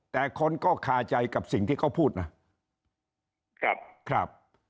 แต่คนก็ขาใจกับสิ่งที่เขาพูดครับ